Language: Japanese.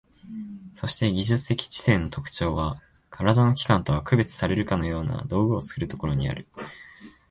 そして技術的知性の特徴は、身体の器官とは区別されるかような道具を作るところにある。